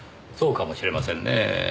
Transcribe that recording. そうかもしれませんねぇ。